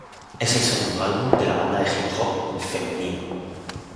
Es el segundo álbum de la banda de hip hop femenino.